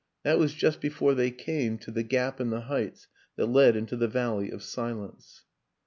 That was just before they came to the gap in the heights that led into the valley of silence.